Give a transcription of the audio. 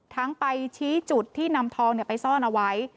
ไปชี้จุดที่นำทองไปซ่อนเอาไว้